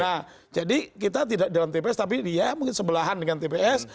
nah jadi kita tidak dalam tps tapi dia mungkin sebelahan dengan tps